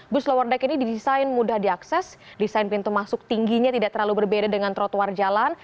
bus lower deck ini didesain mudah diakses desain pintu masuk tingginya tidak terlalu berbeda dengan trotoar jalan